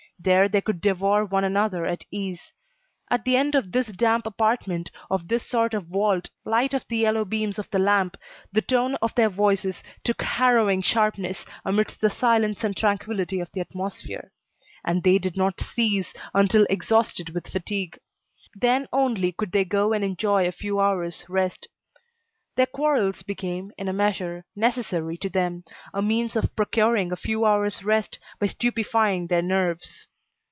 There, they could devour one another at ease. At the end of this damp apartment, of this sort of vault, lighted by the yellow beams of the lamp, the tone of their voices took harrowing sharpness, amidst the silence and tranquillity of the atmosphere. And they did not cease until exhausted with fatigue; then only could they go and enjoy a few hours' rest. Their quarrels became, in a measure, necessary to them a means of procuring a few hours' rest by stupefying their nerves.